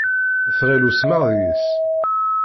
Tɣill usmeɣ deg-s.